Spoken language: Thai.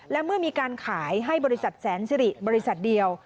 และเมื่อมีการขายให้บริษัทแสนสิริบริษัทเดียว